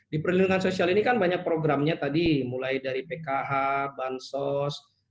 di perlindungan sosial ini kan banyak programnya tadi mulai dari pkh bansos